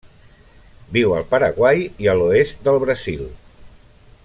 Viu al Paraguai i a l'oest del Brasil.